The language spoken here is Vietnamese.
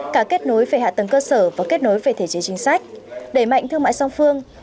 cả kết nối về hạ tầng cơ sở và kết nối về thể chế chính sách đẩy mạnh thương mại song phương